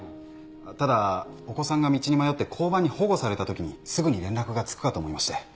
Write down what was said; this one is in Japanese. ただお子さんが道に迷って交番に保護されたときにすぐに連絡がつくかと思いまして